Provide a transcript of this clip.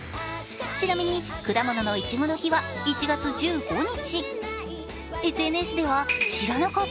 ちなみに果物のいちごの日は１月１５日に。